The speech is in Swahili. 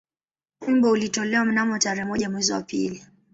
Wimbo ulitolewa mnamo tarehe moja mwezi wa pili